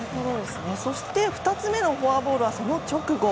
そして、２つ目のフォアボールは、その直後。